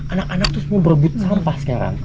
anak anak itu semua berebut sampah sekarang